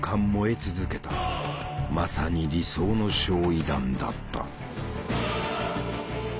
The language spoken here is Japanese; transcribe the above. まさに理想の焼夷弾だった。